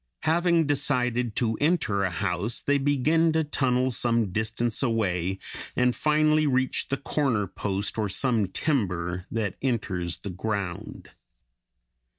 Having decided to enter a house, they begin to tunnel some distance away, and finally reach the corner post or some timber that enters the ground.